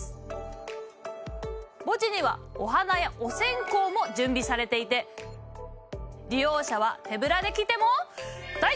墓地にはお花やお線香も準備されていて利用者は手ぶらで来ても大丈夫！